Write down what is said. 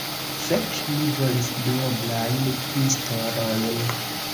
Fek! mi volis duoblajn pistolojn.